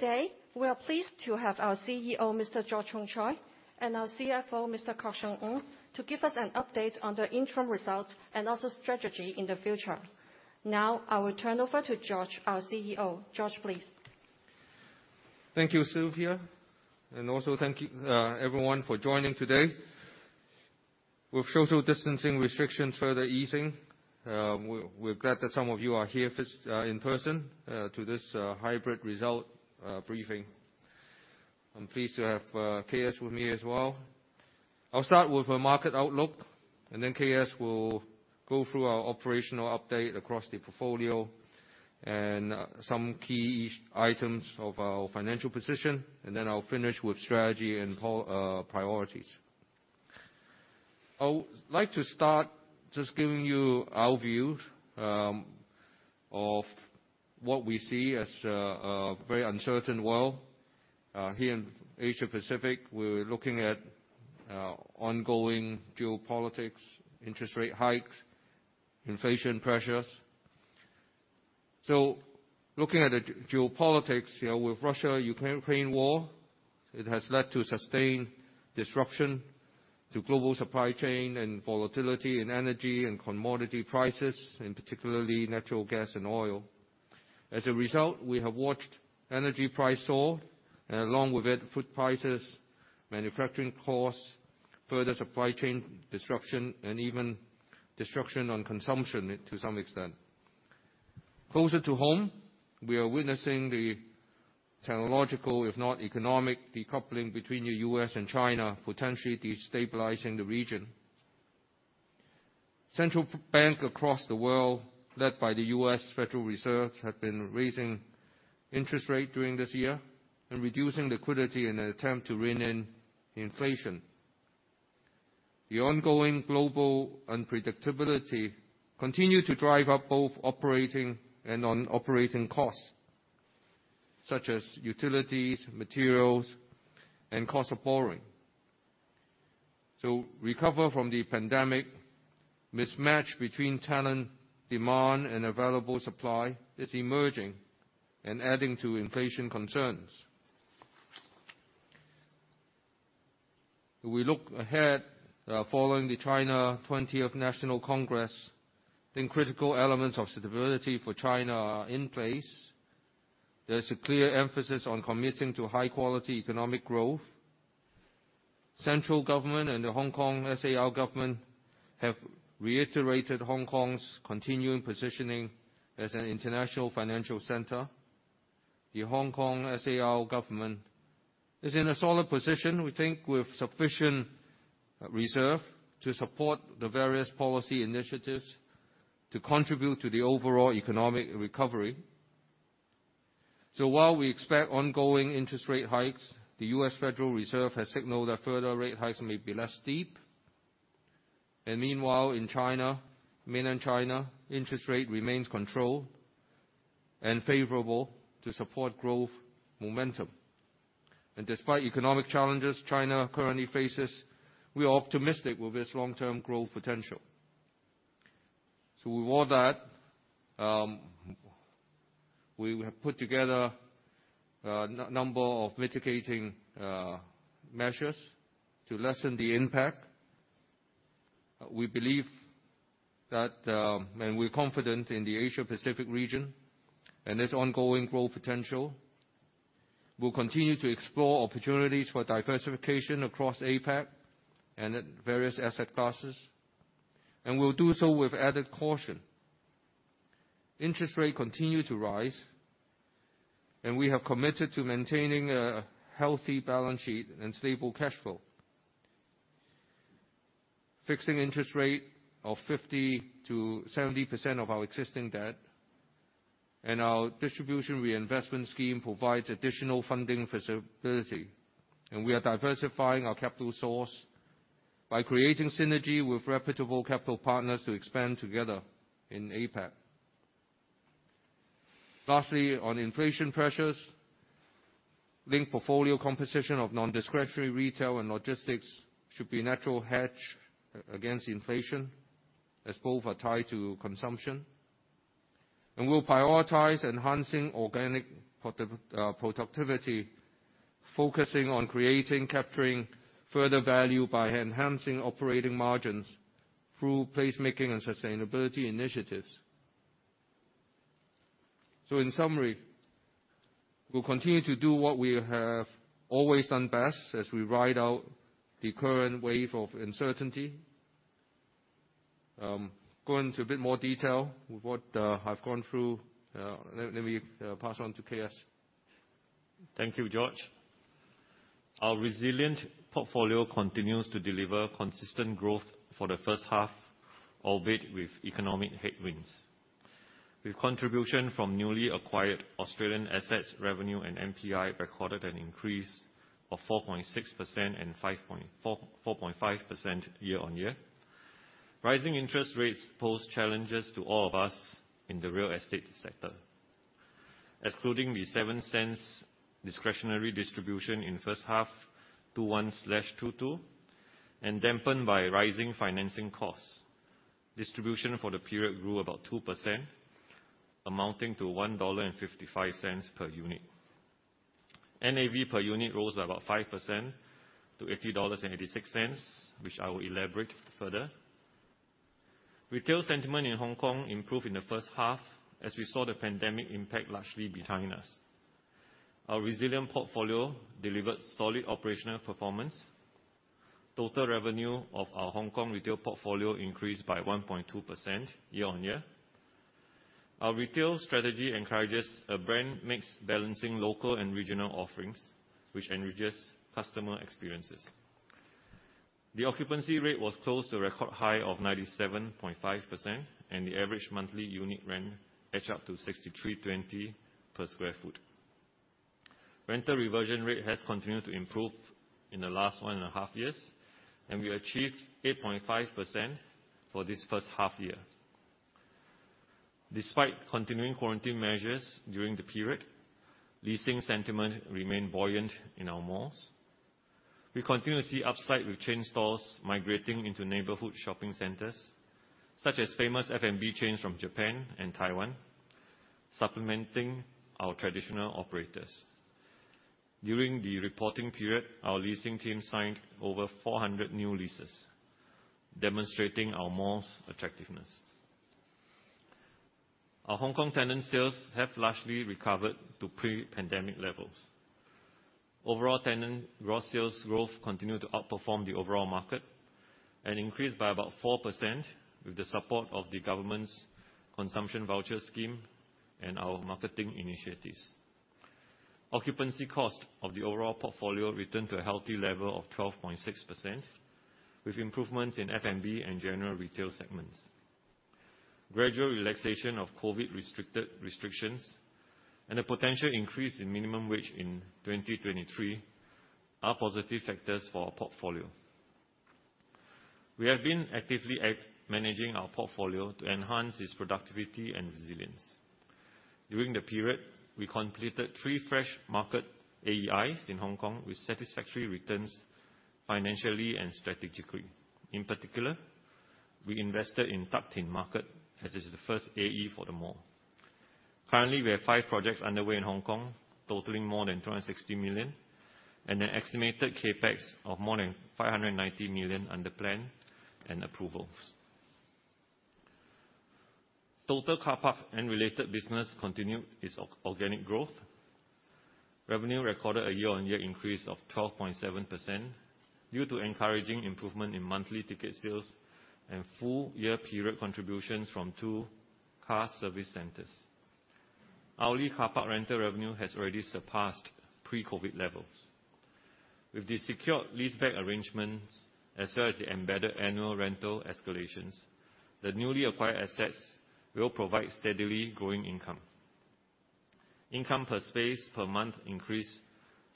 Today, we are pleased to have our CEO, Mr. George Hongchoy, and our CFO, Mr. Ng Kok Siong, to give us an update on the interim results and also strategy in the future. Now, I will turn over to George, our CEO. George, please. Thank you, Sylvia. Also thank you, everyone for joining today. With social distancing restrictions further easing, we're glad that some of you are here in person to this hybrid result briefing. I'm pleased to have KS with me as well. I'll start with a market outlook, and then KS will go through our operational update across the portfolio and some key areas of our financial position, and then I'll finish with strategy and priorities. I would like to start just giving you our view of what we see as a very uncertain world. Here in Asia Pacific, we're looking at ongoing geopolitics, interest rate hikes, inflation pressures. Looking at the geopolitics, with Russia-Ukraine war, it has led to sustained disruption to global supply chain and volatility in energy and commodity prices, and particularly natural gas and oil. As a result, we have watched energy prices soar, and along with it food prices, manufacturing costs, further supply chain disruption, and even disruption to consumption to some extent. Closer to home, we are witnessing the technological, if not economic decoupling between the U.S. and China, potentially destabilizing the region. Central banks across the world, led by the U.S. Federal Reserve, have been raising interest rates this year and reducing liquidity in an attempt to rein in inflation. The ongoing global unpredictability continues to drive up both operating and non-operating costs, such as utilities, materials, and cost of borrowing. The recovery from the pandemic mismatch between talent demand and available supply is emerging and adding to inflation concerns. We look ahead. Following the 20th National Congress of the Communist Party of China, we think critical elements of stability for China are in place. There's a clear emphasis on committing to high-quality economic growth. Central government and the Hong Kong SAR government have reiterated Hong Kong's continuing positioning as an international financial center. The Hong Kong SAR government is in a solid position, we think, with sufficient reserves to support the various policy initiatives to contribute to the overall economic recovery. While we expect ongoing interest rate hikes, the U.S. Federal Reserve has signaled that further rate hikes may be less steep. Meanwhile, in mainland China, interest rates remain controlled and favorable to support growth momentum. Despite economic challenges China currently faces, we are optimistic about its long-term growth potential. With all that, we have put together a number of mitigating measures to lessen the impact. We believe that, and we're confident in the Asia Pacific region and its ongoing growth potential. We'll continue to explore opportunities for diversification across APAC and at various asset classes, and we'll do so with added caution. Interest rates continue to rise, and we have committed to maintaining a healthy balance sheet and stable cash flow. Fixing interest rates of 50%-70% of our existing debt and our Distribution Reinvestment Scheme provides additional funding feasibility, and we are diversifying our capital source by creating synergy with reputable capital partners to expand together in APAC. Lastly, on inflation pressures, Link portfolio composition of non-discretionary retail and logistics should be a natural hedge against inflation, as both are tied to consumption. We'll prioritize enhancing organic productivity, focusing on creating, capturing further value by enhancing operating margins through placemaking and sustainability initiatives. In summary, we'll continue to do what we have always done best as we ride out the current wave of uncertainty. Go into a bit more detail with what I've gone through. Let me pass on to KS. Thank you, George. Our resilient portfolio continues to deliver consistent growth for the first half, albeit with economic headwinds. With contribution from newly acquired Australian assets, revenue, and NPI recorded an increase of 4.6% and 4.5% year-over-year. Rising interest rates pose challenges to all of us in the real estate sector, excluding the 0.07 discretionary distribution in first half 2021/2022 and dampened by rising financing costs. Distribution for the period grew about 2%, amounting to 1.55 dollar per unit. NAV per unit rose by about 5% to 80.86 dollars, which I will elaborate further. Retail sentiment in Hong Kong improved in the first half as we saw the pandemic impact largely behind us. Our resilient portfolio delivered solid operational performance. Total revenue of our Hong Kong retail portfolio increased by 1.2% year-on-year. Our retail strategy encourages a brand mix balancing local and regional offerings, which enriches customer experiences. The occupancy rate was close to a record high of 97.5%, and the average monthly unit rent edged up to 63.20 per sq ft. Rental reversion rate has continued to improve in the last 1.5 years, and we achieved 8.5% for this first half year. Despite continuing quarantine measures during the period, leasing sentiment remained buoyant in our malls. We continue to see upside with chain stores migrating into neighborhood shopping centers, such as famous F&B chains from Japan and Taiwan, supplementing our traditional operators. During the reporting period, our leasing team signed over 400 new leases, demonstrating our malls' attractiveness. Our Hong Kong tenant sales have largely recovered to pre-pandemic levels. Overall tenant raw sales growth continued to outperform the overall market and increased by about 4% with the support of the government's Consumption Voucher Scheme and our marketing initiatives. Occupancy cost of the overall portfolio returned to a healthy level of 12.6%, with improvements in F&B and general retail segments. Gradual relaxation of COVID restrictions and a potential increase in minimum wage in 2023 are positive factors for our portfolio. We have been actively managing our portfolio to enhance its productivity and resilience. During the period, we completed three fresh market AEIs in Hong Kong with satisfactory returns financially and strategically. In particular, we invested in Tak Tin Market as it's the first AE for the mall. Currently, we have five projects underway in Hong Kong, totaling more than 260 million, and an estimated CapEx of more than 590 million under plan and approvals. Total car park and related business continued its organic growth. Revenue recorded a year-on-year increase of 12.7% due to encouraging improvement in monthly ticket sales and full year period contributions from two car service centers. Hourly car park rental revenue has already surpassed pre-COVID levels. With the secured leaseback arrangements, as well as the embedded annual rental escalations, the newly acquired assets will provide steadily growing income. Income per space per month increased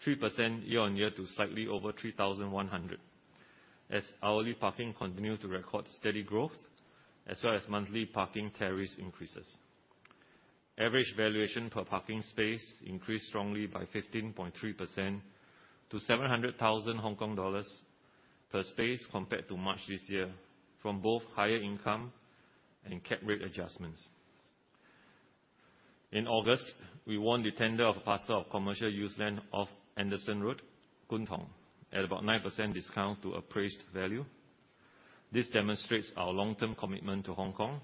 3% year-on-year to slightly over 3,100 as hourly parking continued to record steady growth, as well as monthly parking tariffs increases. Average valuation per parking space increased strongly by 15.3% to 700,000 Hong Kong dollars per space compared to March this year from both higher income and cap rate adjustments. In August, we won the tender of a parcel of commercial use land off Anderson Road, Kwun Tong, at about 9% discount to appraised value. This demonstrates our long-term commitment to Hong Kong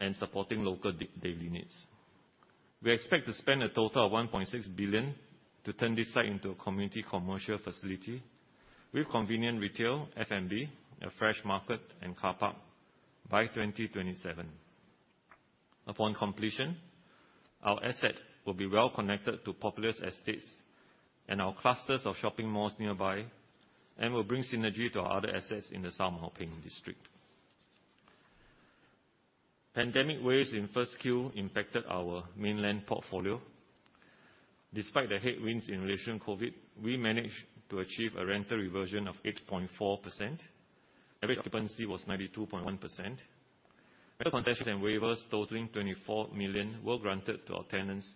and supporting local daily needs. We expect to spend a total of HKD 1.6 billion to turn this site into a community commercial facility with convenient retail, F&B, a fresh market, and car park by 2027. Upon completion, our asset will be well connected to populous estates and our clusters of shopping malls nearby and will bring synergy to our other assets in the Sau Mau Ping district. Pandemic waves in first Q impacted our mainland portfolio. Despite the headwinds in relation to COVID, we managed to achieve a rental reversion of 8.4%. Average occupancy was 92.1%. Concessions and waivers totaling 24 million were granted to our tenants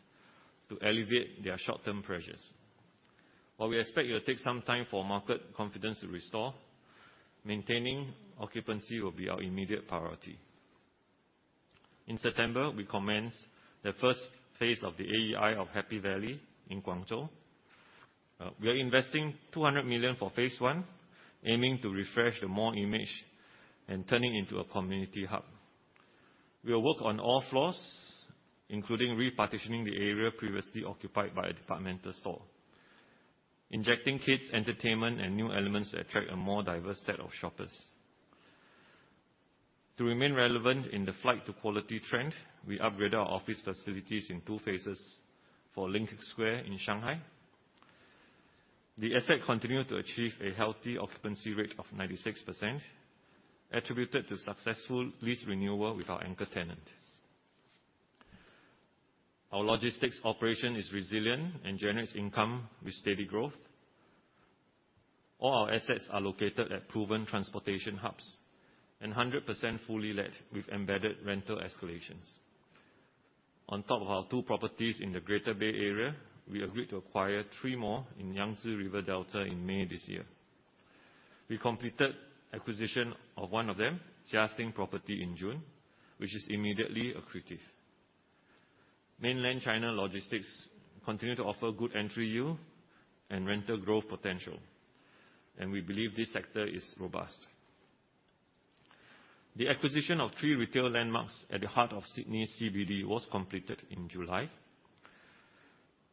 to alleviate their short-term pressures. While we expect it'll take some time for market confidence to restore, maintaining occupancy will be our immediate priority. In September, we commenced the first phase of the AEI of Happy Valley in Guangzhou. We are investing 200 million for phase one, aiming to refresh the mall image and turning into a community hub. We'll work on all floors, including repartitioning the area previously occupied by a department store, injecting kids' entertainment and new elements to attract a more diverse set of shoppers. To remain relevant in the flight to quality trend, we upgraded our office facilities in two phases for Link Square in Shanghai. The asset continued to achieve a healthy occupancy rate of 96%, attributed to successful lease renewal with our anchor tenant. Our logistics operation is resilient and generates income with steady growth. All our assets are located at proven transportation hubs and 100% fully let with embedded rental escalations. On top of our two properties in the Greater Bay Area, we agreed to acquire three more in Yangtze River Delta in May this year. We completed acquisition of one of them, Jiaxing Property, in June, which is immediately accretive. Mainland China logistics continue to offer good entry yield and rental growth potential, and we believe this sector is robust. The acquisition of three retail landmarks at the heart of Sydney CBD was completed in July.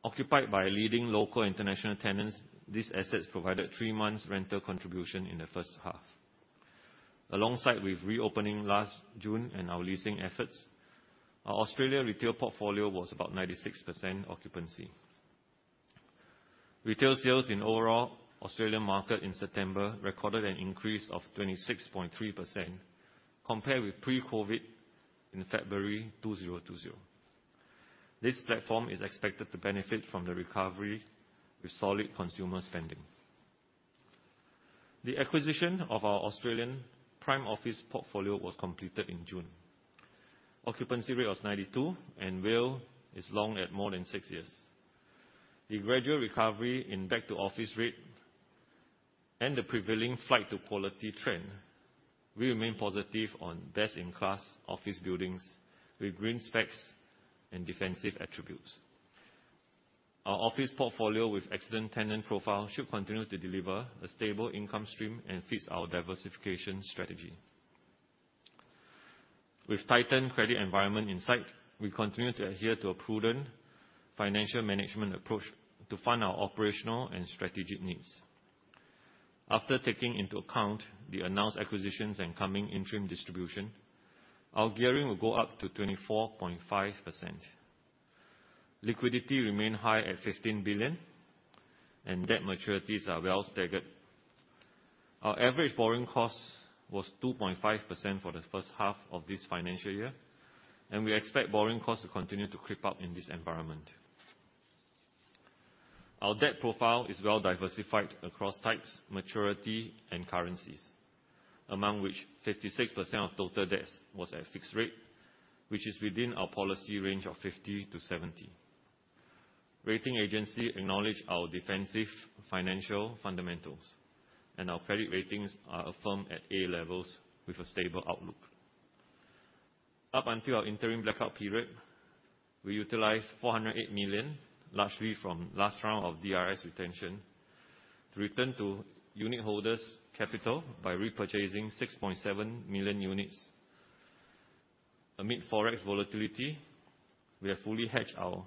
Occupied by leading local international tenants, these assets provided three months rental contribution in the first half. Alongside with reopening last June and our leasing efforts, our Australian retail portfolio was about 96% occupancy. Retail sales in overall Australian market in September recorded an increase of 26.3% compared with pre-COVID in February 2020. This platform is expected to benefit from the recovery with solid consumer spending. The acquisition of our Australian prime office portfolio was completed in June. Occupancy rate was 92%, and WALE is long at more than six years. The gradual recovery in back to office rate and the prevailing flight to quality trend. We remain positive on best-in-class office buildings with green specs and defensive attributes. Our office portfolio with excellent tenant profile should continue to deliver a stable income stream and fits our diversification strategy. With tightened credit environment in sight, we continue to adhere to a prudent financial management approach to fund our operational and strategic needs. After taking into account the announced acquisitions and coming interim distribution, our gearing will go up to 24.5%. Liquidity remains high at HKD 15 billion, and debt maturities are well staggered. Our average borrowing cost was 2.5% for the first half of this financial year, and we expect borrowing costs to continue to creep up in this environment. Our debt profile is well diversified across types, maturity, and currencies, among which 56% of total debts was at fixed rate, which is within our policy range of 50%-70%. Rating agencies acknowledge our defensive financial fundamentals, and our credit ratings are affirmed at A levels with a stable outlook. Up until our interim blackout period, we utilized 408 million, largely from last round of DRS retention, to return to unit holders' capital by repurchasing 6.7 million units. Amid Forex volatility, we have fully hedged our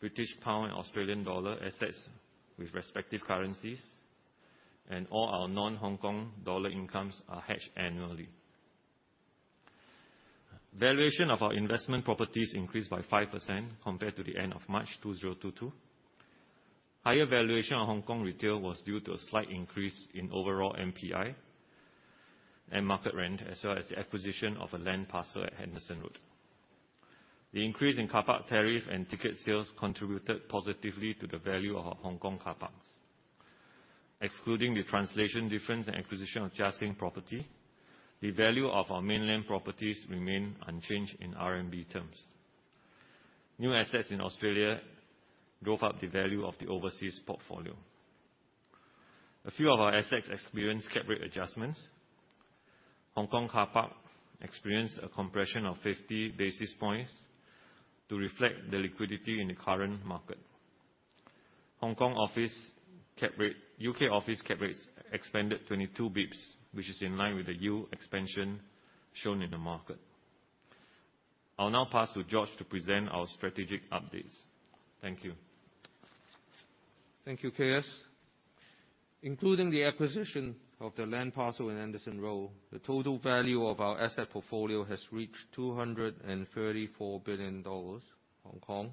British pound, Australian dollar assets with respective currencies, and all our non-Hong Kong dollar incomes are hedged annually. Valuation of our investment properties increased by 5% compared to the end of March 2022. Higher valuation of Hong Kong retail was due to a slight increase in overall NPI and market rent, as well as the acquisition of a land parcel at Anderson Road. The increase in car park tariff and ticket sales contributed positively to the value of our Hong Kong car parks. Excluding the translation difference and acquisition of Jiaxing Property, the value of our mainland properties remain unchanged in RMB terms. New assets in Australia drove up the value of the overseas portfolio. A few of our assets experienced cap rate adjustments. Hong Kong car park experienced a compression of 50 basis points to reflect the liquidity in the current market. Hong Kong office cap rate. U.K. office cap rates expanded 22 basis points, which is in line with the yield expansion shown in the market. I'll now pass to George to present our strategic updates. Thank you. Thank you, KS. Including the acquisition of the land parcel in Anderson Road, the total value of our asset portfolio has reached 234 billion Hong Kong dollars.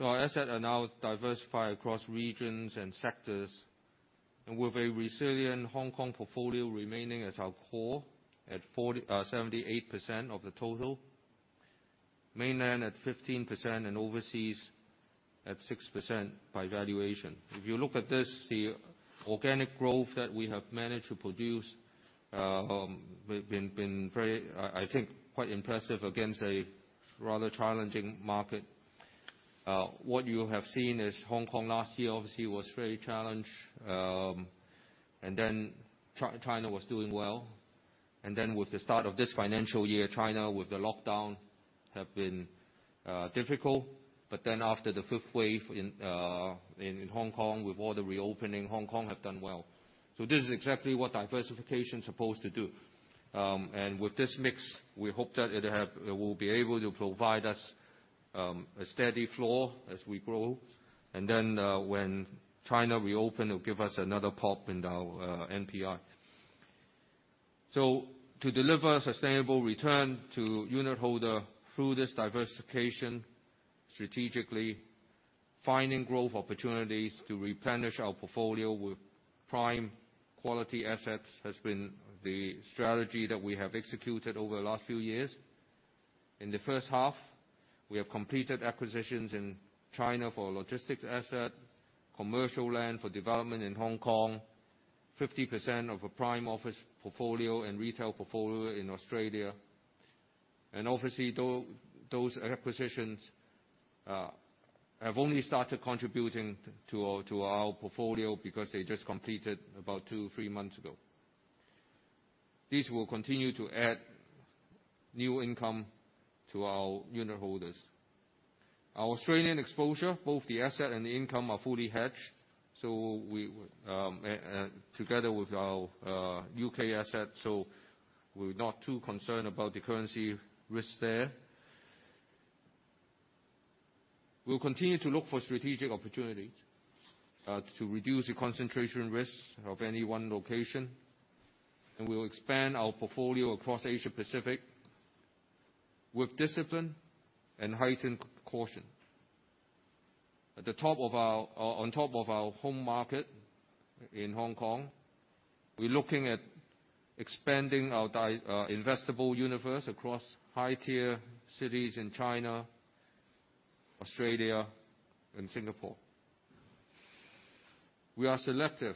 Our assets are now diversified across regions and sectors, and with a resilient Hong Kong portfolio remaining as our core at 78% of the total, mainland at 15% and overseas at 6% by valuation. If you look at this, the organic growth that we have managed to produce, we've been very, I think quite impressive against a rather challenging market. What you have seen is Hong Kong last year obviously was very challenged, and then China was doing well, and then with the start of this financial year, China with the lockdown have been difficult. After the fifth wave in Hong Kong, with all the reopening, Hong Kong have done well. This is exactly what diversification is supposed to do. With this mix, we hope that it will be able to provide us a steady flow as we grow. When China reopen, it'll give us another pop in our NPI. To deliver sustainable return to unitholder through this diversification, strategically finding growth opportunities to replenish our portfolio with prime quality assets has been the strategy that we have executed over the last few years. In the first half, we have completed acquisitions in China for logistics asset, commercial land for development in Hong Kong. 50% of a prime office portfolio and retail portfolio in Australia. Obviously, though, those acquisitions have only started contributing to our portfolio because they just completed about two-three months ago. This will continue to add new income to our unit holders. Our Australian exposure, both the asset and the income, are fully hedged, so we, together with our U.K. asset, so we're not too concerned about the currency risk there. We'll continue to look for strategic opportunities to reduce the concentration risk of any one location. We'll expand our portfolio across Asia Pacific with discipline and heightened caution. On top of our home market in Hong Kong, we're looking at expanding our investable universe across high-tier cities in China, Australia and Singapore. We are selective,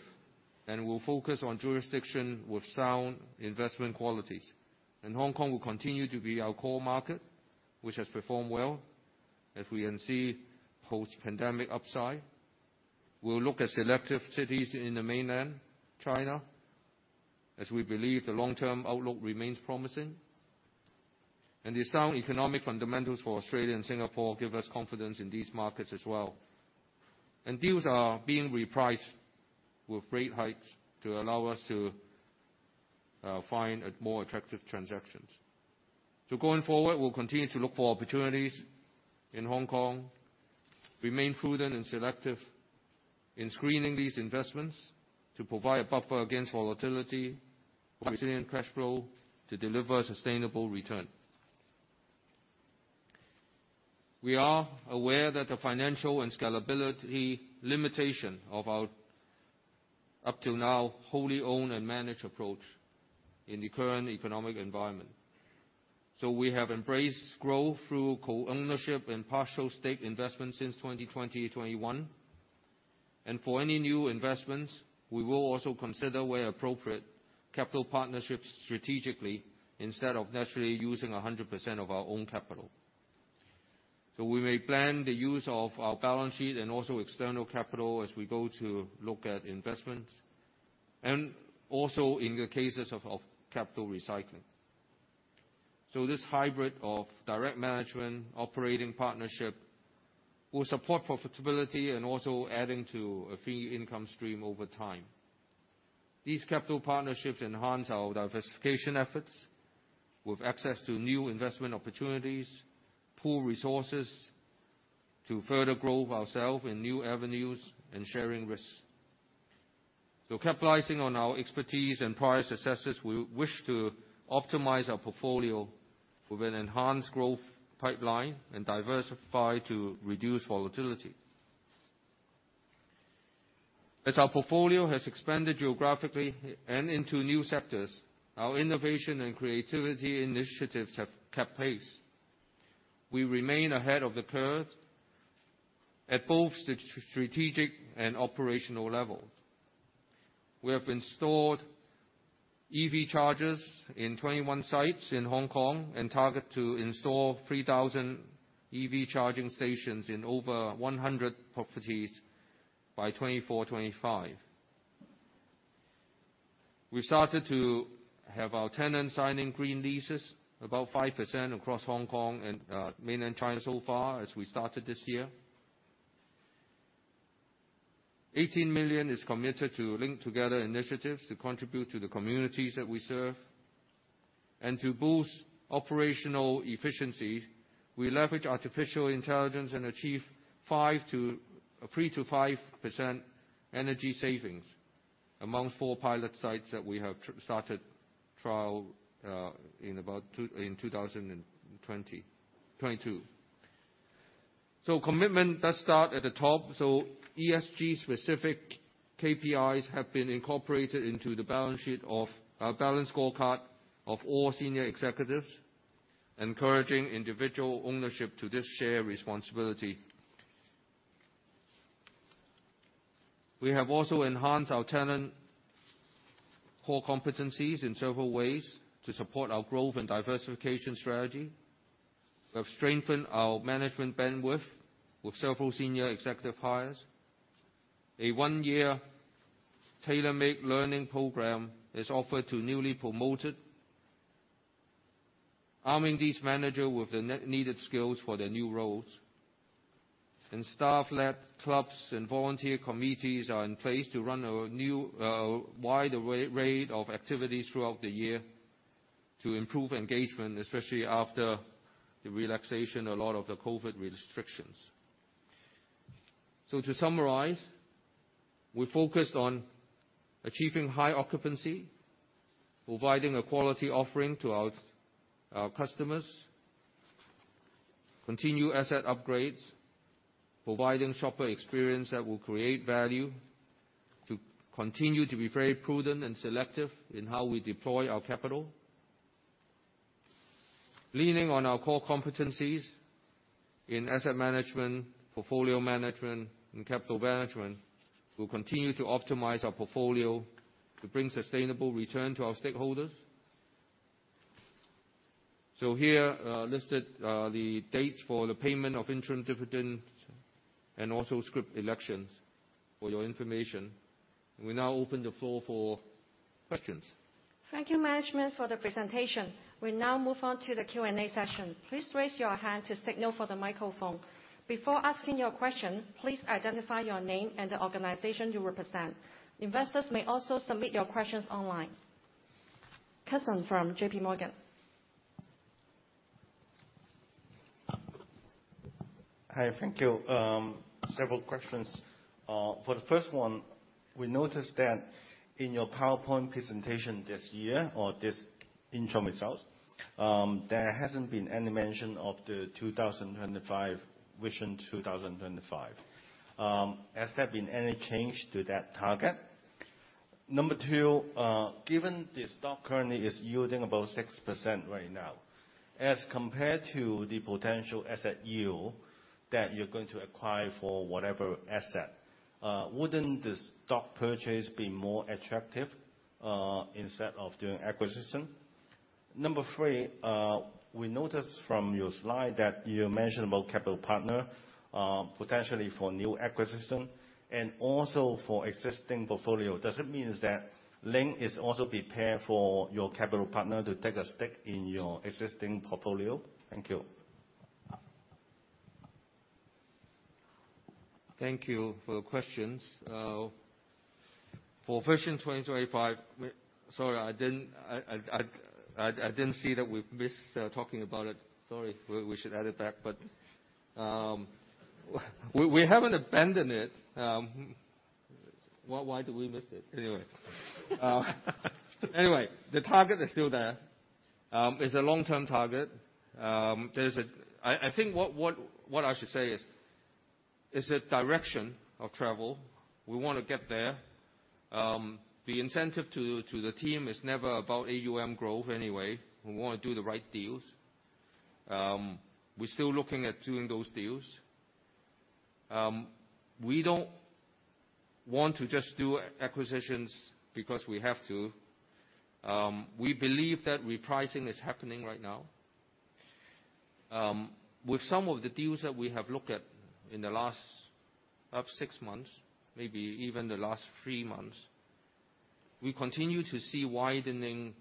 and we'll focus on jurisdiction with sound investment qualities. Hong Kong will continue to be our core market, which has performed well. As we can see, post-pandemic upside. We'll look at selective cities in the mainland China, as we believe the long-term outlook remains promising. The sound economic fundamentals for Australia and Singapore give us confidence in these markets as well. Deals are being repriced with rate hikes to allow us to find a more attractive transactions. Going forward, we'll continue to look for opportunities in Hong Kong, remain prudent and selective in screening these investments to provide a buffer against volatility, resilient cash flow to deliver sustainable return. We are aware that the financial and scalability limitation of our, up till now, wholly owned and managed approach in the current economic environment. We have embraced growth through co-ownership and partial stake investments since 2020, 2021. For any new investments, we will also consider where appropriate capital partnerships strategically instead of necessarily using 100% of our own capital. We may plan the use of our balance sheet and also external capital as we go to look at investments, and also in the cases of capital recycling. This hybrid of direct management operating partnership will support profitability and also adding to a fee income stream over time. These capital partnerships enhance our diversification efforts with access to new investment opportunities, pool resources to further grow ourselves in new avenues and sharing risks. Capitalizing on our expertise and prior successes, we wish to optimize our portfolio with an enhanced growth pipeline and diversify to reduce volatility. As our portfolio has expanded geographically and into new sectors, our innovation and creativity initiatives have kept pace. We remain ahead of the curve at both strategic and operational level. We have installed EV chargers in 21 sites in Hong Kong and target to install 3,000 EV charging stations in over 100 properties by 2024-2025. We started to have our tenants signing green leases, about 5% across Hong Kong and mainland China so far as we started this year. 18 million is committed to Link Together Initiatives to contribute to the communities that we serve. To boost operational efficiency, we leverage artificial intelligence and achieve 3%-5% energy savings among pilot sites that we have started trial in 2022. Commitment does start at the top. ESG specific KPIs have been incorporated into the balanced scorecard of all senior executives, encouraging individual ownership to this shared responsibility. We have also enhanced our talent core competencies in several ways to support our growth and diversification strategy. We have strengthened our management bandwidth with several senior executive hires. A one-year tailor-made learning program is offered to newly promoted, arming these managers with the needed skills for their new roles. Staff-led clubs and volunteer committees are in place to run a new wide array of activities throughout the year to improve engagement, especially after the relaxation of a lot of the COVID restrictions. To summarize, we're focused on achieving high occupancy, providing a quality offering to our customers, continue asset upgrades, providing shopper experience that will create value, to continue to be very prudent and selective in how we deploy our capital. Leaning on our core competencies in asset management, portfolio management, and capital management, we'll continue to optimize our portfolio to bring sustainable return to our stakeholders. Here, listed, the dates for the payment of interim dividends and also scrip elections for your information. We now open the floor for questions. Thank you, management, for the presentation. We now move on to the Q&A session. Please raise your hand to signal for the microphone. Before asking your question, please identify your name and the organization you represent. Investors may also submit your questions online. Karl Chan from JP Morgan. Hi. Thank you. Several questions. For the first one, we noticed that in your PowerPoint presentation this year or this interim results, there hasn't been any mention of Vision 2025. Has there been any change to that target? Number two, given the stock currently is yielding about 6% right now, as compared to the potential asset yield that you're going to acquire for whatever asset, wouldn't the stock purchase be more attractive, instead of doing acquisition? Number three, we noticed from your slide that you mentioned about capital partner, potentially for new acquisition and also for existing portfolio. Does it mean that Link is also prepared for your capital partner to take a stake in your existing portfolio? Thank you. Thank you for the questions. For Vision 2025. Sorry, I didn't see that we missed talking about it. Sorry, we should add it back. We haven't abandoned it. Why do we miss it? Anyway. The target is still there. It's a long-term target. I think what I should say is the direction of travel, we wanna get there. The incentive to the team is never about AUM growth anyway. We wanna do the right deals. We're still looking at doing those deals. We don't want to just do acquisitions because we have to. We believe that repricing is happening right now. With some of the deals that we have looked at in the last, perhaps six months, maybe even the last three months, we continue to see widening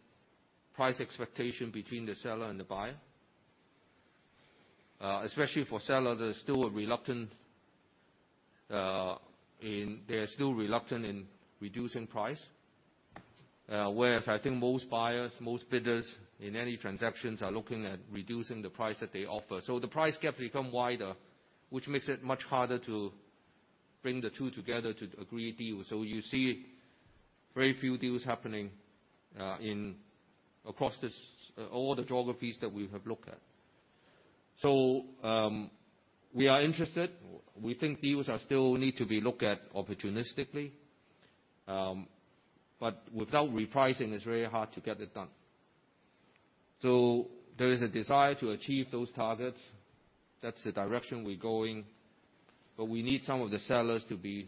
price expectation between the seller and the buyer. Especially for seller, there's still a reluctance. They're still reluctant in reducing price. Whereas I think most buyers, most bidders in any transactions are looking at reducing the price that they offer. The price gap become wider, which makes it much harder to bring the two together to agree a deal. You see very few deals happening across all the geographies that we have looked at. We are interested. We think deals still need to be looked at opportunistically. Without repricing, it's very hard to get it done. There is a desire to achieve those targets. That's the direction we're going. We need some of the sellers to be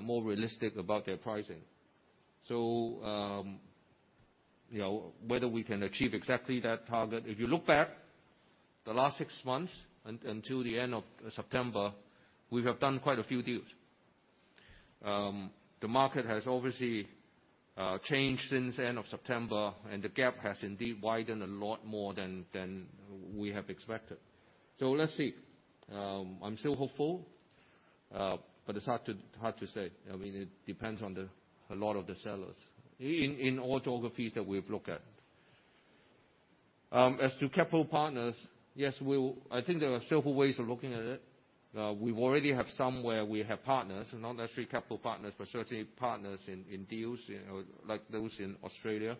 more realistic about their pricing. Whether we can achieve exactly that target. If you look back the last six months until the end of September, we have done quite a few deals. The market has obviously changed since the end of September, and the gap has indeed widened a lot more than we have expected. Let's see. I'm still hopeful, but it's hard to say. I mean, it depends on a lot of the sellers in all geographies that we've looked at. As to capital partners, yes, we will. I think there are several ways of looking at it. We've already have some where we have partners, not necessarily capital partners, but certainly partners in deals like those in Australia.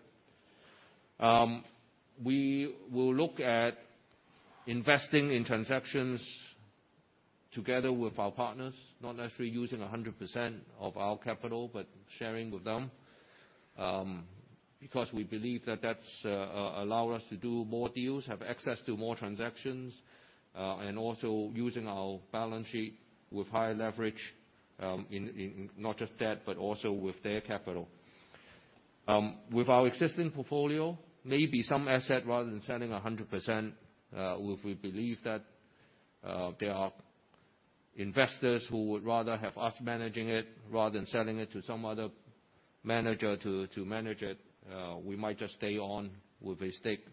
We will look at investing in transactions together with our partners, not necessarily using 100% of our capital, but sharing with them. Because we believe that that's allow us to do more deals, have access to more transactions, and also using our balance sheet with higher leverage, in not just debt but also with their capital. With our existing portfolio, maybe some asset rather than selling 100%, if we believe that there are investors who would rather have us managing it, rather than selling it to some other manager to manage it, we might just stay on with a stake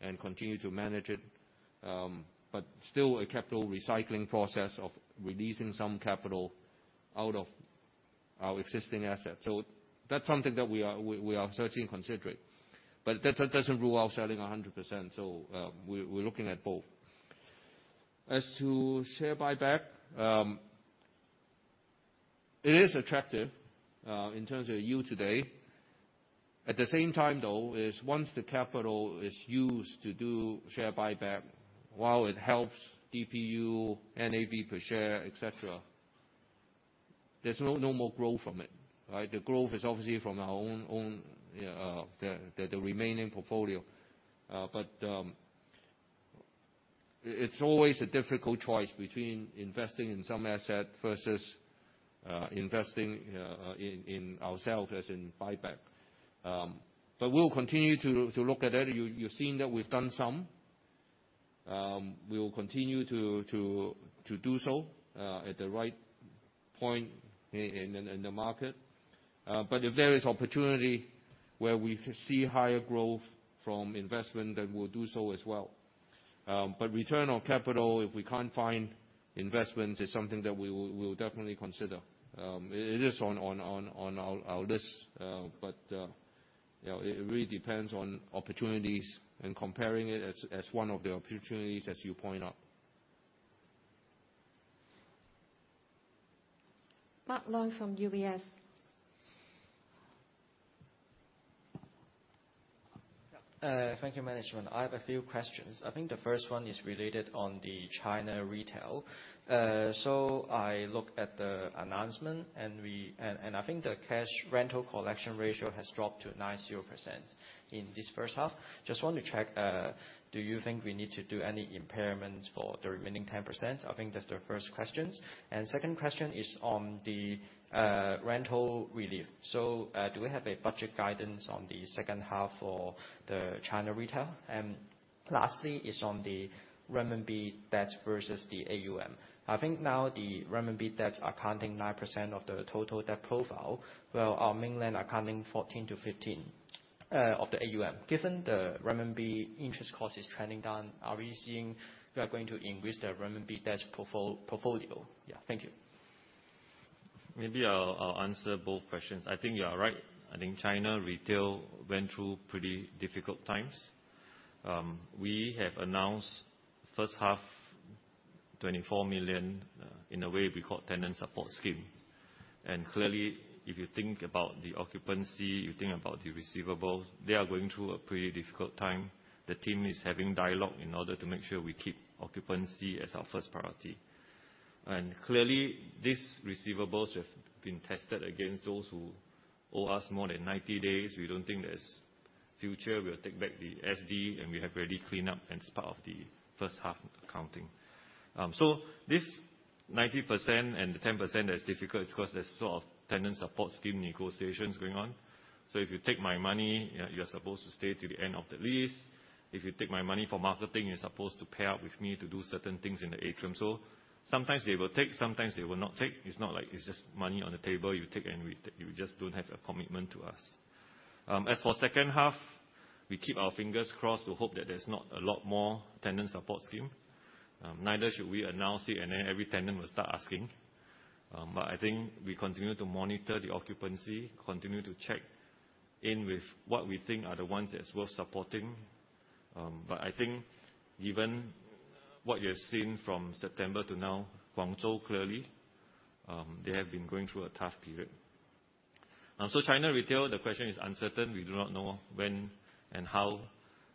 and continue to manage it. Still a capital recycling process of releasing some capital out of our existing assets. That's something that we are certainly considering. That doesn't rule out selling 100%. We're looking at both. As to share buyback, it is attractive in terms of yield today. At the same time, though, once the capital is used to do share buyback, while it helps DPU, NAV per share, et cetera. There's no more growth from it, right? The growth is obviously from our own, the remaining portfolio. It's always a difficult choice between investing in some asset versus investing in ourselves, as in buyback. We'll continue to look at that. You've seen that we've done some. We will continue to do so at the right point in the market. If there is opportunity where we see higher growth from investment, then we'll do so as well. Return on capital, if we can't find investments, is something that we will definitely consider. It is on our list. It really depends on opportunities and comparing it as one of the opportunities as you point out. Mark Leung from UBS. Yeah. Thank you, management. I have a few questions. I think the first one is related to the China retail. So I look at the announcement and I think the cash rental collection ratio has dropped to 90% in this first half. Just want to check, do you think we need to do any impairments for the remaining 10%? I think that's the first question. Second question is on the rental relief. Do we have a budget guidance on the second half for the China retail? Lastly is on the renminbi debt versus the AUM. I think now the renminbi debts are counting 9% of the total debt profile, where our mainland are counting 14%-15% of the AUM. Given the renminbi interest cost is trending down, are we seeing you are going to increase the renminbi debt portfolio? Yeah. Thank you. Maybe I'll answer both questions. I think you are right. I think China retail went through pretty difficult times. We have announced first half 24 million in a way we call Tenant Support Scheme. Clearly, if you think about the occupancy, you think about the receivables, they are going through a pretty difficult time. The team is having dialogue in order to make sure we keep occupancy as our first priority. Clearly, these receivables have been tested against those who owe us more than 90 days. We don't think there's future. We'll take back the SD, and we have already cleaned up as part of the first half accounting. So this 90% and the 10% is difficult because there's sort of Tenant Support Scheme negotiations going on. If you take my money, yeah, you're supposed to stay till the end of the lease. If you take my money for marketing, you're supposed to pair up with me to do certain things in the atrium. Sometimes they will take, sometimes they will not take. It's not like it's just money on the table, you take, and you just don't have a commitment to us. As for second half, we keep our fingers crossed to hope that there's not a lot more Tenant Support Scheme, neither should we announce it and then every tenant will start asking. I think we continue to monitor the occupancy, continue to check in with what we think are the ones that's worth supporting. I think given what you have seen from September to now, Guangzhou clearly they have been going through a tough period. China retail, the question is uncertain. We do not know when and how,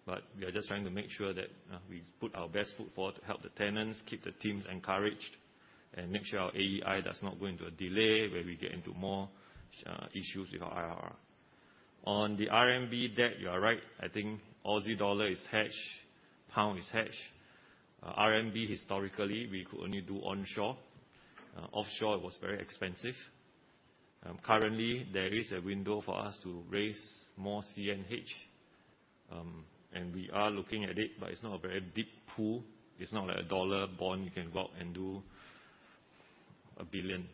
but we are just trying to make sure that we put our best foot forward to help the tenants, keep the teams encouraged, and make sure our AEI does not go into a delay where we get into more issues with our IRR. On the RMB debt, you are right. I think Aussie dollar is hedged, pound is hedged. RMB historically, we could only do onshore. Offshore was very expensive. Currently there is a window for us to raise more CNH, and we are looking at it, but it's not a very big pool. It's not like a dollar bond you can go out and do $1.6 billion.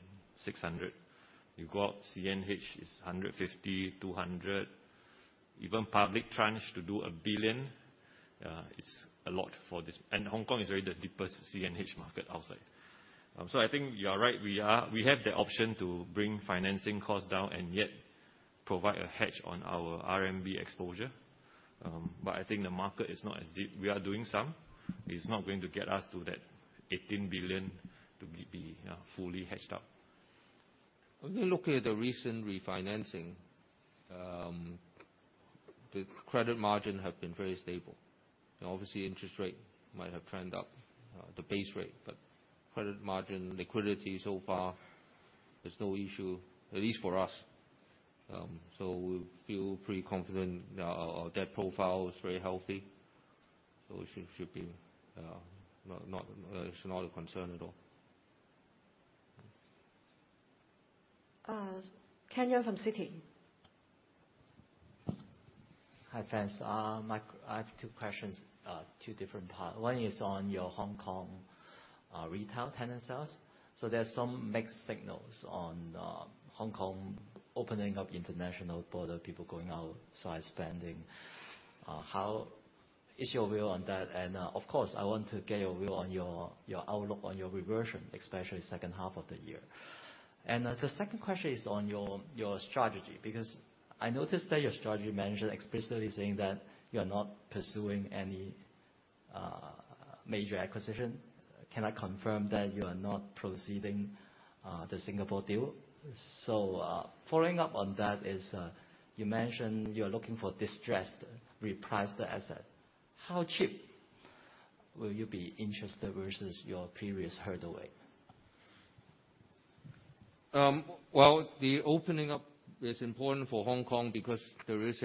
You go out CNH, it's CNH 150 million-200 million. Even public tranche to do CNH 1 billion is a lot for this. Hong Kong is really the deepest CNH market outside. I think you are right. We have the option to bring financing costs down and yet provide a hedge on our RMB exposure. I think the market is not as deep. We are doing some. It's not going to get us to that 18 billion to be fully hedged out. When you look at the recent refinancing, the credit margin have been very stable. Obviously, interest rate might have trend up, the base rate, but credit margin liquidity so far is no issue, at least for us. We feel pretty confident that our debt profile is very healthy, so it should be not, it's not a concern at all. Kenneth Leung from Citi. Hi, friends. Mike, I have two questions, two different parts. One is on your Hong Kong retail tenant sales. There's some mixed signals on Hong Kong opening up international border, people going outside spending. How is your view on that? Of course, I want to get your view on your outlook on your reversion, especially second half of the year. The second question is on your strategy, because I noticed that your strategy manager explicitly saying that you're not pursuing any major acquisition. Can I confirm that you are not proceeding the Singapore deal? Following up on that, you mentioned you're looking for distressed repriced asset. How cheap. Will you be interested versus your previous hurdle rate? Well, the opening up is important for Hong Kong because there is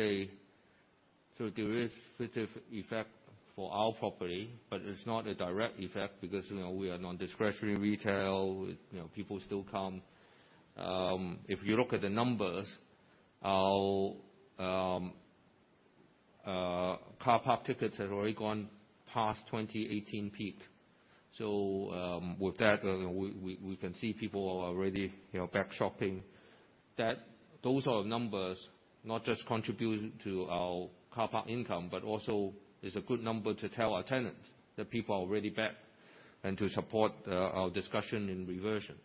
sort of little effect for our property, but it's not a direct effect because we are non-discretionary retail people still come. If you look at the numbers, our car park tickets have already gone past 2018 peak. With that, we can see people are already back shopping. Those are numbers, not just contribution to our car park income, but also is a good number to tell our tenants that people are already back, and to support our discussion in reversion.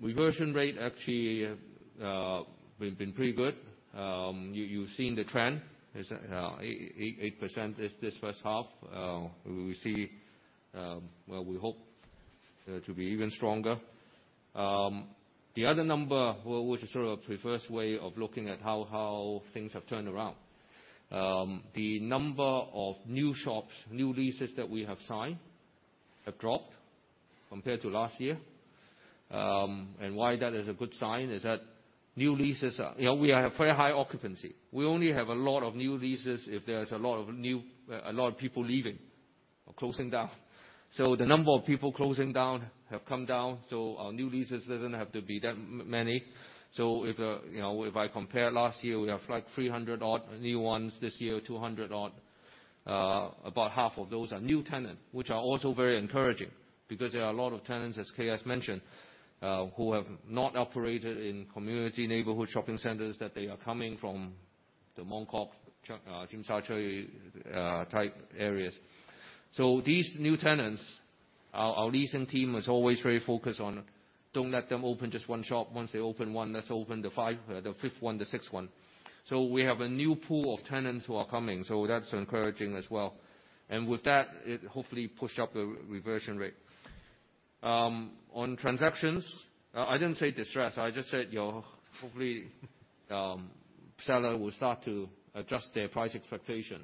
Reversion rate actually, we've been pretty good. You've seen the trend. It's 88% this first half. We see, well, we hope to be even stronger. The other number, which is sort of a perverse way of looking at how things have turned around. The number of new shops, new leases that we have signed have dropped compared to last year. Why that is a good sign is that new leases are. We have very high occupancy. We only have a lot of new leases if there is a lot of new, a lot of people leaving or closing down. The number of people closing down have come down, so our new leases doesn't have to be that many. If I compare last year, we have like 300 odd new ones. This year, 200 odd. About half of those are new tenant, which are also very encouraging because there are a lot of tenants, as KS mentioned, who have not operated in community neighborhood shopping centers, that they are coming from the Mong Kok, Tsim Sha Tsui, type areas. These new tenants, our leasing team is always very focused on don't let them open just one shop. Once they open one, let's open the five, the fifth one, the sixth one. We have a new pool of tenants who are coming, so that's encouraging as well. With that, it hopefully push up the reversion rate. On transactions, I didn't say distress. I just said your, hopefully, seller will start to adjust their price expectation.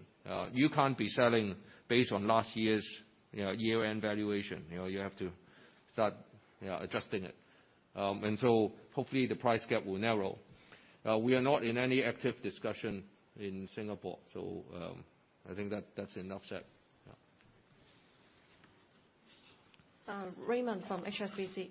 You can't be selling based on last year's year-end valuation. You have to start adjusting it. Hopefully the price gap will narrow. We are not in any active discussion in Singapore, so I think that's enough said. Yeah. Raymond from HSBC.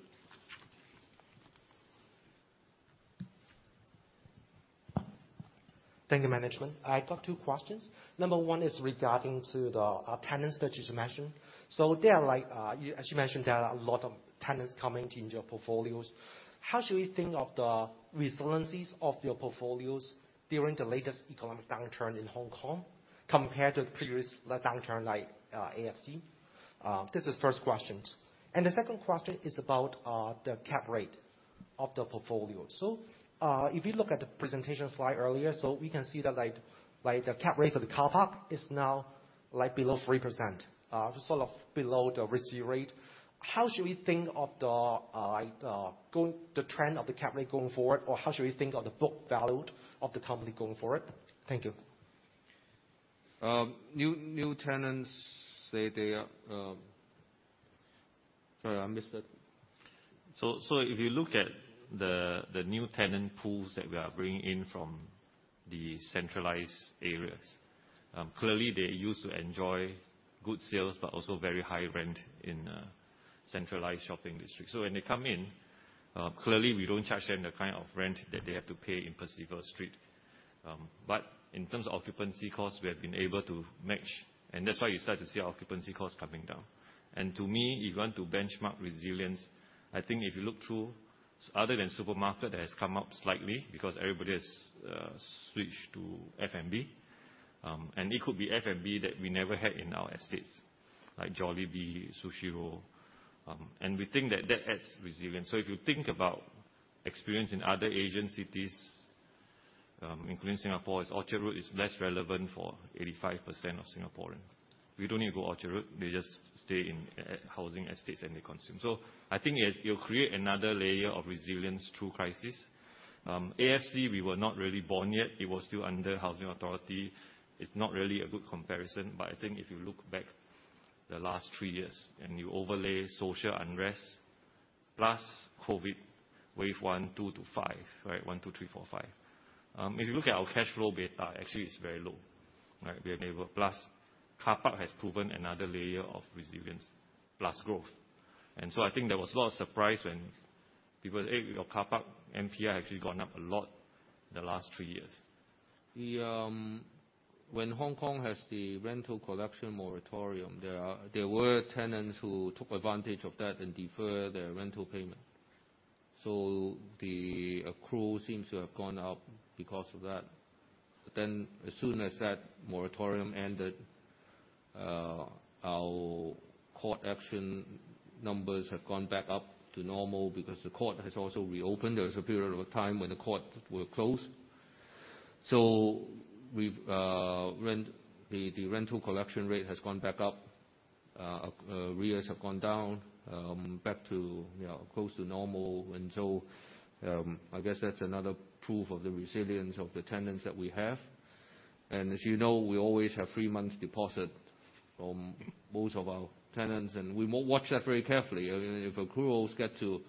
Thank you, management. I got two questions. Number one is regarding the tenants that you mentioned. So they are like, as you mentioned, there are a lot of tenants coming into your portfolios. How should we think of the resiliencies of your portfolios during the latest economic downturn in Hong Kong compared to the previous like downturn like, AFC? This is first question. The second question is about the cap rate of the portfolio. So, if you look at the presentation slide earlier, so we can see that like the cap rate of the car park is now like below 3%, sort of below the risk-free rate. How should we think of the, like, the trend of the cap rate going forward, or how should we think of the book value of the company going forward? Thank you. New tenants, they. Sorry, I missed that. If you look at the new tenant pools that we are bringing in from the centralized areas, clearly they used to enjoy good sales, but also very high rent in centralized shopping districts. When they come in, clearly we don't charge them the kind of rent that they have to pay in Percival Street. In terms of occupancy costs, we have been able to match, and that's why you start to see our occupancy costs coming down. To me, if you want to benchmark resilience, I think if you look through other than supermarket that has come up slightly because everybody has switched to F&B, and it could be F&B that we never had in our estates, like Jollibee, Sushiro, and we think that that adds resilience. If you think about experience in other Asian cities, including Singapore, its Orchard Road is less relevant for 85% of Singaporeans. We don't need to go Orchard Road, they just stay in, at housing estates and they consume. I think it'll create another layer of resilience through crisis. AFC, we were not really born yet. It was still under housing authority. It's not really a good comparison, but I think if you look back the last three years and you overlay social unrest, plus COVID wave 1, 2 to 5, right? 1, 2, 3, 4, 5. If you look at our cash flow beta, actually it's very low, right? Plus, car park has proven another layer of resilience plus growth. I think there was a lot of surprise when people say, "Hey, your car park NPI actually gone up a lot the last three years. When Hong Kong has the Rental Enforcement Moratorium, there were tenants who took advantage of that and deferred their rental payment. The accrual seems to have gone up because of that. As soon as that moratorium ended, our court action numbers have gone back up to normal because the court has also reopened. There was a period of time when the court were closed. The rental collection rate has gone back up. Arrears have gone down, back to close to normal. I guess that's another proof of the resilience of the tenants that we have. As we always have three months deposit from most of our tenants, and we will watch that very carefully. I mean, if accruals get to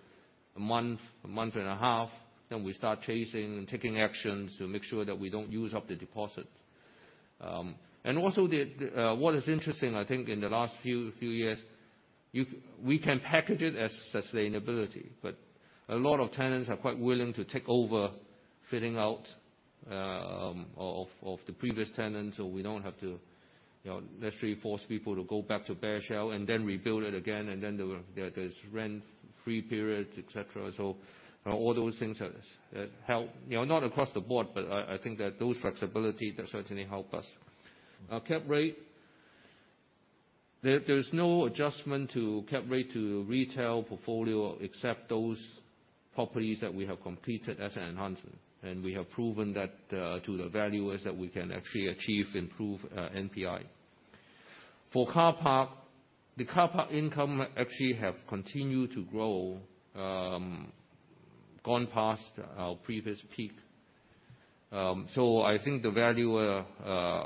a month, a month and a half, then we start chasing and taking actions to make sure that we don't use up the deposit. What is interesting, I think in the last few years, we can package it as sustainability, but a lot of tenants are quite willing to take over fitting out of the previous tenants, so we don't have to necessarily force people to go back to bare shell and then rebuild it again and then there's rent-free periods, et cetera. All those things are help. You know, not across the board, but I think that those flexibility does certainly help us. Our cap rate, there's no adjustment to cap rate to retail portfolio, except those properties that we have completed as an enhancement. We have proven that to the valuers that we can actually achieve improved NPI. For car park, the car park income actually have continued to grow, gone past our previous peak. I think the valuer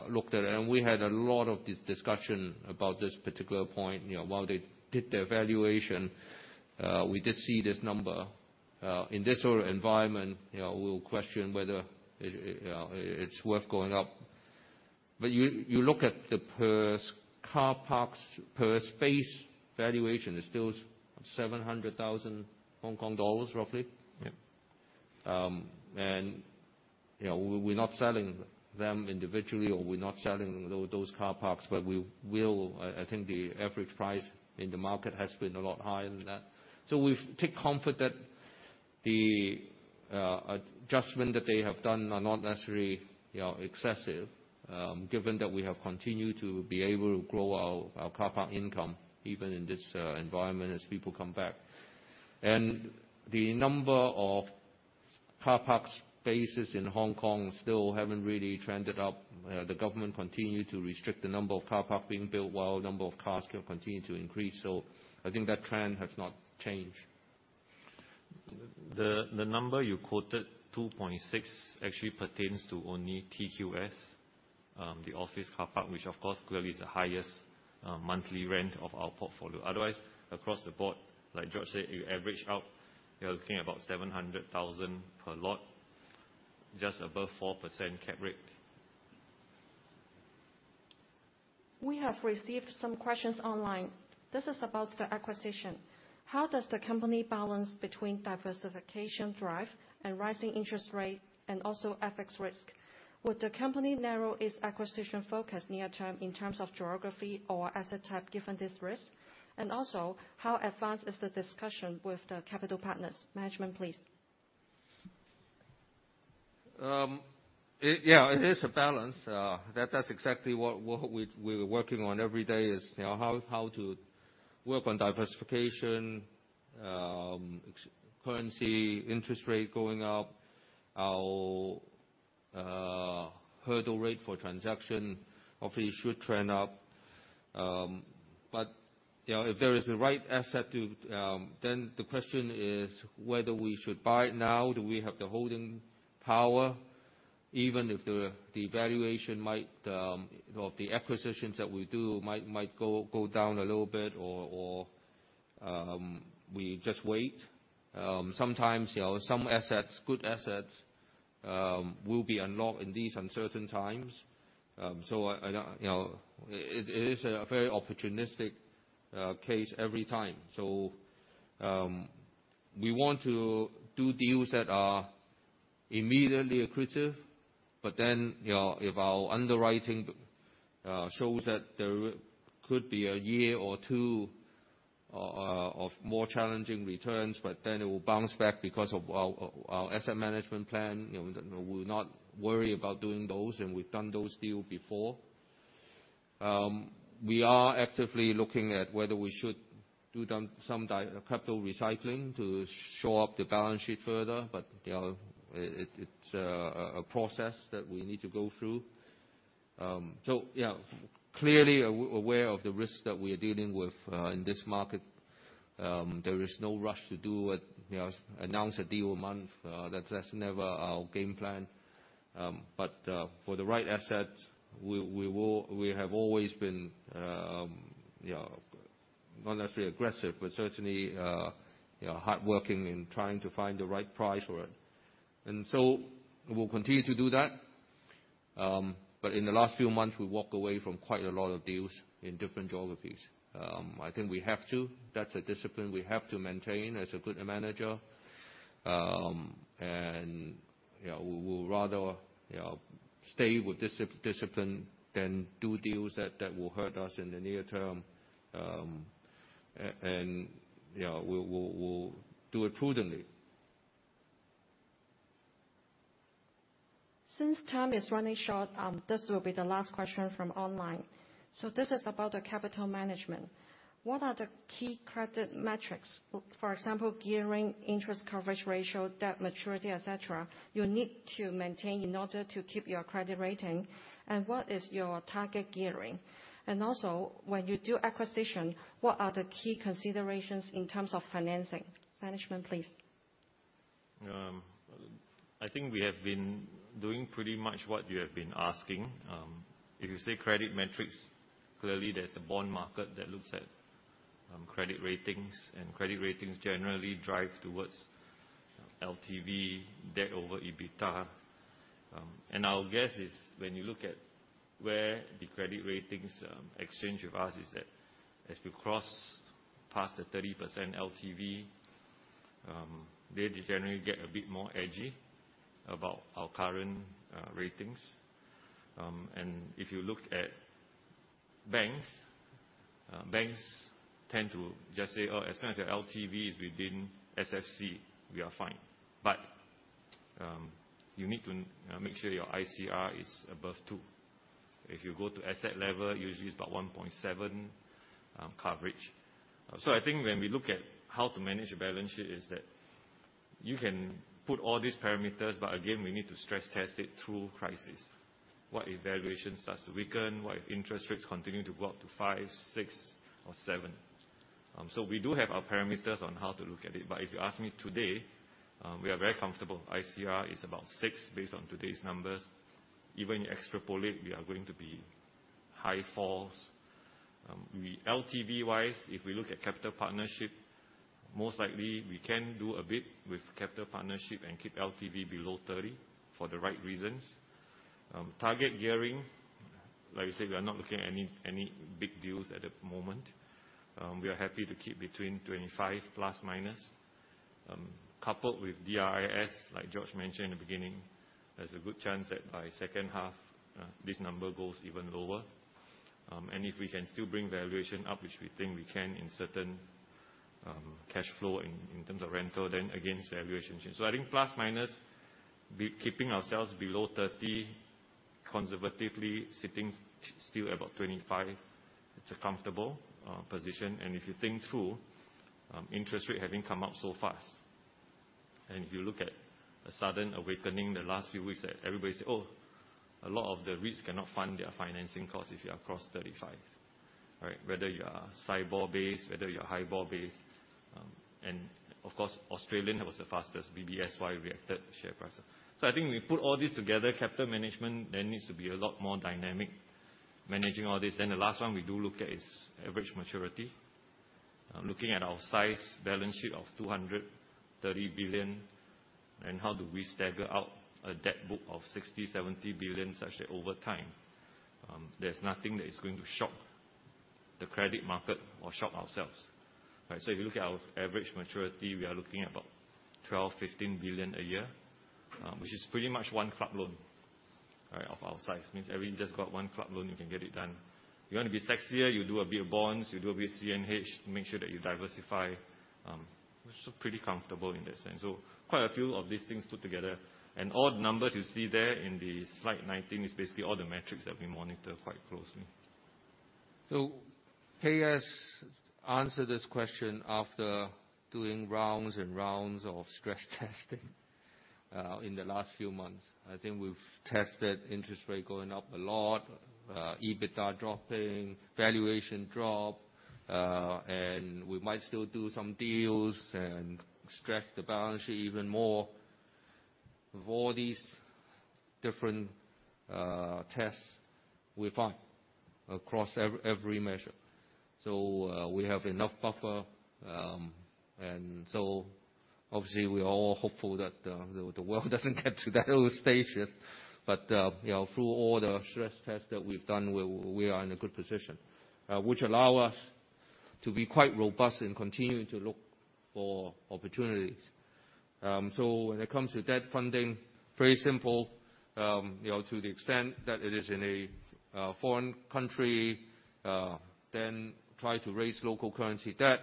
looked at, and we had a lot of discussion about this particular point. While they did their valuation, we did see this number. In this sort of environment we'll question whether it's worth going up. You look at the per car parks, per space valuation, it's still HKD 700,000, roughly. Yeah. We're not selling them individually or we're not selling those car parks, but we will. I think the average price in the market has been a lot higher than that. We take comfort that the adjustment that they have done are not necessarily excessive, given that we have continued to be able to grow our car park income, even in this environment as people come back. The number of car park spaces in Hong Kong still haven't really trended up. The government continued to restrict the number of car park being built, while number of cars kept continue to increase. I think that trend has not changed. The number you quoted, 2.6%, actually pertains to only TQS, the office car park, which of course clearly is the highest monthly rent of our portfolio. Otherwise, across the board, like George said, you average out, you're looking about 700,000 per lot, just above 4% cap rate. We have received some questions online. This is about the acquisition. How does the company balance between diversification drive and rising interest rate and also FX risk? Would the company narrow its acquisition focus near term in terms of geography or asset type given this risk? How advanced is the discussion with the capital partners? Management, please. Yeah, it is a balance. That's exactly what we're working on every day how to work on diversification ex-currency, interest rate going up, our hurdle rate for transaction obviously should trend up. If there is the right asset, then the question is whether we should buy it now, do we have the holding power, even if the valuation might or the acquisitions that we do might go down a little bit or we just wait. Sometimes some assets, good assets, will be unlocked in these uncertain times. I don't, It is a very opportunistic case every time. We want to do deals that are immediately accretive, but then if our underwriting shows that there could be a year or two of more challenging returns, but then it will bounce back because of our asset management plan we're not worried about doing those, and we've done those deals before. We are actively looking at whether we should do capital recycling to shore up the balance sheet further, but it's a process that we need to go through. Clearly aware of the risks that we are dealing with in this market. There is no rush to do what announce a deal a month. That's never our game plan. For the right assets, we have always been not necessarily aggressive, but certainly hardworking in trying to find the right price for it. We'll continue to do that. In the last few months, we walked away from quite a lot of deals in different geographies. I think we have to. That's a discipline we have to maintain as a good manager. We'll rather stay with discipline than do deals that will hurt us in the near term. We'll do it prudently. Since time is running short, this will be the last question from online. This is about the capital management. What are the key credit metrics, for example, gearing, interest coverage ratio, debt maturity, et cetera, you need to maintain in order to keep your credit rating? And what is your target gearing? And also, when you do acquisition, what are the key considerations in terms of financing? Management, please. I think we have been doing pretty much what you have been asking. If you say credit metrics, clearly there's the bond market that looks at credit ratings, and credit ratings generally drive towards LTV, debt over EBITDA. Our guess is when you look at where the credit ratings exchange with us is that as we cross past the 30% LTV, they generally get a bit more edgy about our current ratings. If you look at banks tend to just say, "Oh, as soon as your LTV is within SFC, we are fine." You need to make sure your ICR is above two. If you go to asset level, usually it's about 1.7 coverage. I think when we look at how to manage a balance sheet is that you can put all these parameters, but again, we need to stress test it through crisis. What if valuation starts to weaken? What if interest rates continue to go up to five, six, or seven? We do have our parameters on how to look at it. If you ask me today, we are very comfortable. ICR is about 6 based on today's numbers. Even extrapolate, we are going to be high 4s. LTV-wise, if we look at capital partnership, most likely we can do a bit with capital partnership and keep LTV below 30% for the right reasons. Target gearing, like you said, we are not looking at any big deals at the moment. We are happy to keep between 25% ±. Coupled with DRIP, like George mentioned in the beginning, there's a good chance that by second half, this number goes even lower. If we can still bring valuation up, which we think we can in certain cash flow in terms of rental, then again, it's valuation. I think plus, minus, be keeping ourselves below 30%, conservatively sitting still about 25%. It's a comfortable position. If you think through interest rate having come up so fast, and if you look at a sudden awakening the last few weeks that everybody say, "Oh, a lot of the REITs cannot fund their financing cost if you are across 35%." Right? Whether you are SOFR-based, whether you are HIBOR-based. Of course, Australian was the fastest, BBSY reacted share price. I think when you put all this together, capital management then needs to be a lot more dynamic managing all this. The last one we do look at is average maturity. Looking at our size, balance sheet of 230 billion, and how do we stagger out a debt book of 60 billion-70 billion such that over time, there's nothing that is going to shock the credit market or shock ourselves. Right. If you look at our average maturity, we are looking at about 12 billion-15 billion a year, which is pretty much one club loan, right, of our size. It means if you just get one club loan, you can get it done. You wanna be sexier, you do a bit of bonds, you do a bit of CNH to make sure that you diversify. We're still pretty comfortable in that sense. Quite a few of these things put together. All the numbers you see there in the slide 19 is basically all the metrics that we monitor quite closely. KS answered this question after doing rounds and rounds of stress testing in the last few months. I think we've tested interest rate going up a lot, EBITDA dropping, valuation drop, and we might still do some deals and stretch the balance sheet even more. Of all these different tests, we're fine across every measure. We have enough buffer. Obviously we're all hopeful that the world doesn't get to that stage yet. Through all the stress tests that we've done, we are in a good position which allow us to be quite robust in continuing to look for opportunities. When it comes to debt funding, very simple, to the extent that it is in a foreign country, then try to raise local currency debt,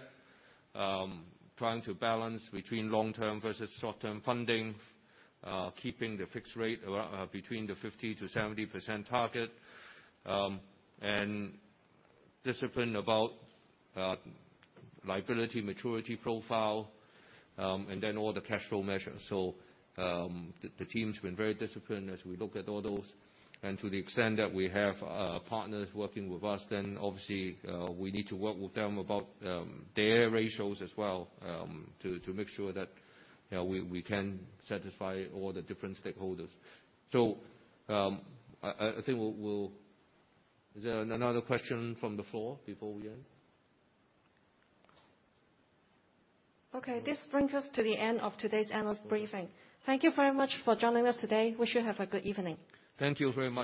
trying to balance between long-term versus short-term funding, keeping the fixed rate around between the 50%-70% target, and discipline about liability maturity profile, and then all the cash flow measures. The team's been very disciplined as we look at all those. To the extent that we have partners working with us, then obviously, we need to work with them about their ratios as well, to make sure that we can satisfy all the different stakeholders. I think we'll. Is there another question from the floor before we end? Okay. This brings us to the end of today's analyst briefing. Thank you very much for joining us today. Wish you have a good evening. Thank you very much.